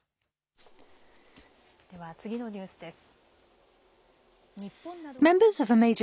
では次のニュースです。